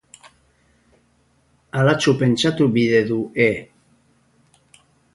Halatsu pentsatu bide du E.